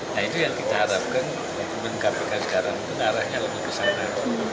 nah itu yang kita harapkan untuk mencapai keadaan negara yang lebih keselamatan